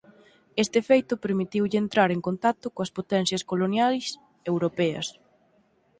Este feito permitiulle entrar en contacto coas potencias coloniais europeas.